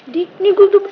dika ini gue dapet